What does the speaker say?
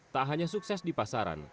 tak hanya sukses di pasaran